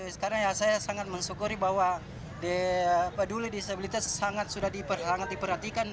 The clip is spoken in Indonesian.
sekarang ya saya sangat mensyukuri bahwa peduli disabilitas sangat sudah sangat diperhatikan